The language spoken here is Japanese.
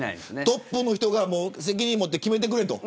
トップの人が責任持って決めてくれと。